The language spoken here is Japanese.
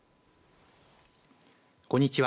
こんにちは。